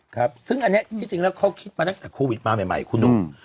ครับซึ่งอันนี้ที่จริงแล้วเขาคิดมาตั้งแต่โควิดมาใหม่คุณหนุ่ม